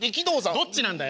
どっちなんだよ。